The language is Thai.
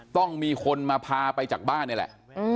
ต้องมีคนมาพาไปจากบ้านนี่แหละ